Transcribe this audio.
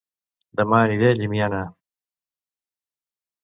Dema aniré a Llimiana